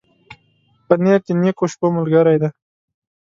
پنېر د نېکو شپو ملګری دی.